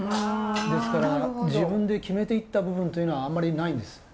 ですから自分で決めていった部分というのはあんまりないんです。